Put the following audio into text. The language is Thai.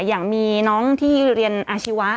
อย่างมีน้องที่เรียนอาชีวะ